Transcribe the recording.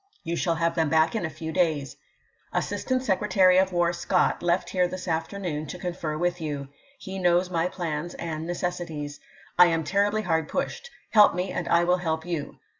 You shall have them back in a few days. Assistant Secretary of War Scott left here this afternoon to confer with you. He knows my plans and necessities. I am terribly hard pushed. Help me, and I will help you.